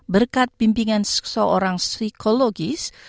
berkat pimpinan seorang psikologis